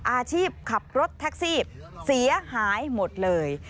อาชีพขับรถแท็กซี่เสียหายหมดเลย